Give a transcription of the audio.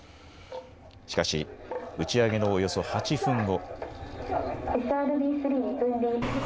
しかし打ち上げのおよそ８分後。